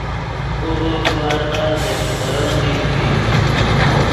خوغے گورنر دے شیغویو نیش ڤی